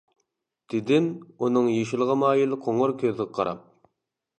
-دېدىم ئۇنىڭ يېشىلغا مايىل قوڭۇر كۆزىگە قاراپ.